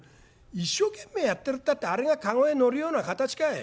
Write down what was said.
「一生懸命やってるったってあれが駕籠へ乗るような形かい？